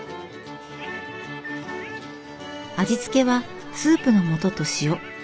味付けはスープのもとと塩。